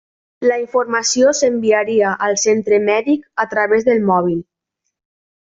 La informació s'enviaria al centre mèdic a través del mòbil.